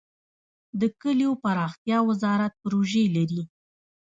د کلیو پراختیا وزارت پروژې لري؟